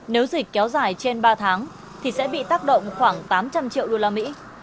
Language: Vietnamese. nếu dịch kéo dài trên ba tháng thì sẽ bị tác động khoảng tám trăm linh triệu usd